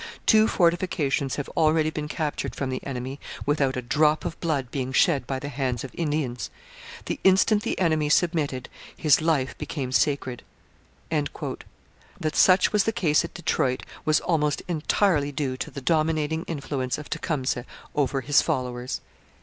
Two fortifications have already been captured from the enemy without a drop of blood being shed by the hands of Indians. The instant the enemy submitted, his life became sacred. That such was the case at Detroit was almost entirely due to the dominating influence of Tecumseh over his followers.